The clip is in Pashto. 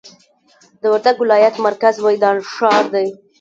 د وردګ ولایت مرکز میدان ښار دی